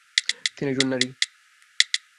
তিনি একজন নারী।